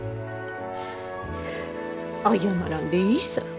謝らんでいいさぁ。